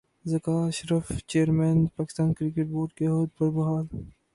Zaka Ashraf chairman Pakistan cricket board کے عہدے پر بحال